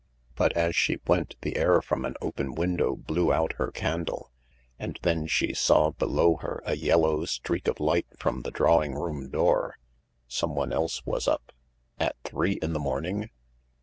But as she went, the air from an open window blew out her candle. And then she saw below her a yellow streak of light from the drawing room door. Someone else was up. At three in the morning